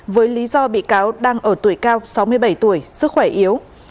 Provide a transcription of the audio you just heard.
với lý do bị cáo đang ở tuổi cao sáu mươi bảy tuổi sức khỏe yếu